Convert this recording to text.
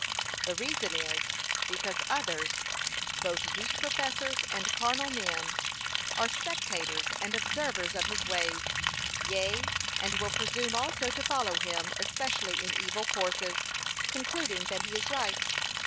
The reason is, because others, both weak professors and carnal men, are spectators and observers of his ways; yea, and will presume also to follow him especially in evil courses, concluding that he is right.